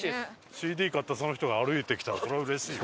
ＣＤ買ったその人が歩いてきたらそりゃうれしいよ。